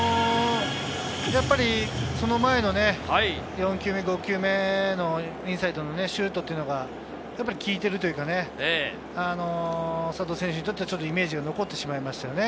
その前の４球目、５球目のインサイドのシュートというのが、効いているというか、佐藤選手にとってはイメージが残ってしまいましたよね。